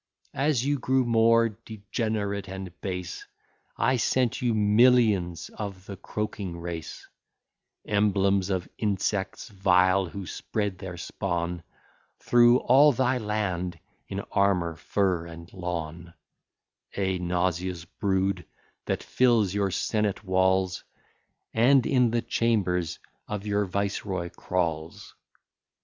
As you grew more degenerate and base, I sent you millions of the croaking race; Emblems of insects vile, who spread their spawn Through all thy land, in armour, fur, and lawn; A nauseous brood, that fills your senate walls, And in the chambers of your viceroy crawls!